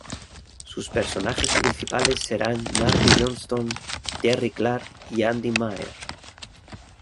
Sus personajes principales serán Marty Johnstone, Terry Clark y Andy Maher.